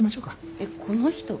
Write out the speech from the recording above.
えっこの人？